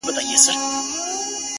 • سپينه خولگۍ راپسي مه ږغوه ـ